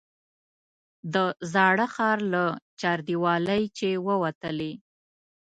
د زاړه ښار له چاردیوالۍ چې ووتلې.